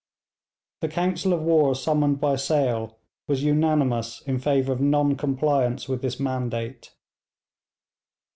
The council of war summoned by Sale was unanimous in favour of non compliance with this mandate.